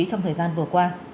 trong thời gian vừa qua